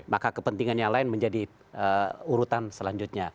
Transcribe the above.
maka kepentingan yang lain menjadi urutan selanjutnya